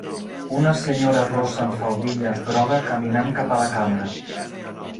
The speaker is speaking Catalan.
Una senyora rossa amb faldilla groga caminant cap a la càmera.